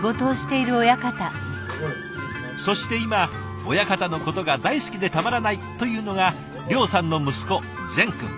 そして今親方のことが大好きでたまらないというのが諒さんの息子禅君。